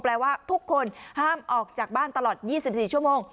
ว่าทุกคนห้ามออกจากบ้านตลอด๒๔ชั่วโมง